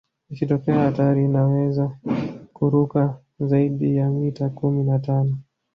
Ikitokea hatari anaweza kuruka zaidi ya mita kumi na tano